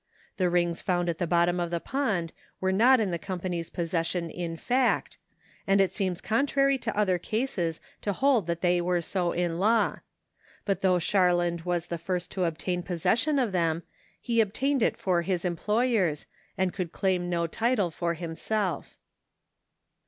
The rings found at the bottom of the pond were not in the Company's possession in fact ; and it seems contrary to other cases to hold that thej' wei'e so in law. But though Sharland was the first to obtain possession of them, he obtained it for his employers, and could claim no title for himself.